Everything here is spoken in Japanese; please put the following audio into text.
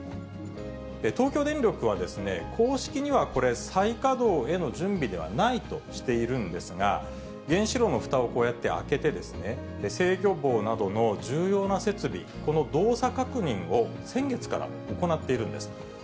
東京電力は、公式にはこれ、再稼働への準備ではないとしているんですが、原子炉のふたをこうやって開けてですね、制御棒などの重要な設備、この動作確認を、先月から行っているんです。